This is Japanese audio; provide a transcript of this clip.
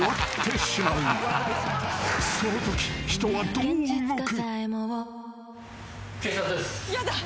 ［そのとき人はどう動く？］